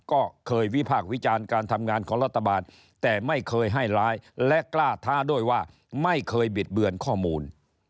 ก็เคยวิพากษ์วิจารณ์การทำงานของรัฐบาลแต่ไม่เคยให้ร้ายและกล้าท้าด้วยว่าไม่เคยบิดเบือนข้อมูล